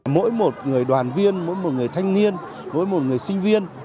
mỗi một người đoàn viên mỗi một người thanh niên mỗi một người sinh viên